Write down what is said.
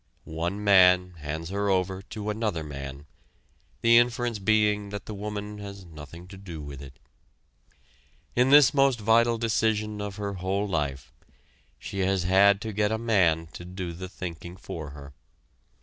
One man hands her over to another man, the inference being that the woman has nothing to do with it. In this most vital decision of her whole life, she has had to get a man to do the thinking for her.